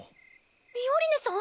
ミオリネさん？